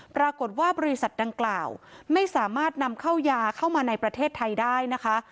บริษัทดังกล่าวไม่สามารถนำเข้ายาเข้ามาในประเทศไทยได้นะคะ